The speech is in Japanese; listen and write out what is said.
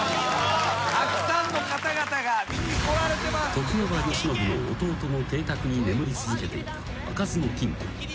［徳川慶喜の弟の邸宅に眠り続けていた開かずの金庫］